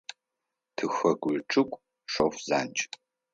Тихэку ичӏыгу – шъоф занкӏ.